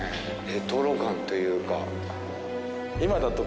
レトロ感というか。